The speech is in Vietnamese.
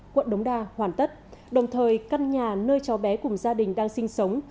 quận đống đa hoàn tất đồng thời căn nhà nơi cháu bé cùng gia đình đang sinh sống